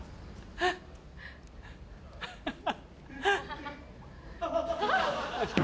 あ！ハハハ！